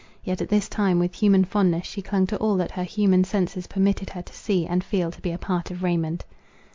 Yet at this time, with human fondness, she clung to all that her human senses permitted her to see and feel to be a part of Raymond.